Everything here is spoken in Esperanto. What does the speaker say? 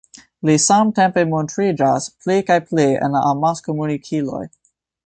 Li samtempe montriĝas pli kaj pli en la amaskomunikiloj.